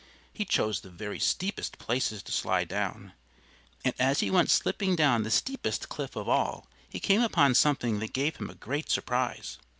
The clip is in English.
He chose the very steepest places to slide down. And as he went slipping down the steepest cliff of all he came upon something that gave him a great surprise.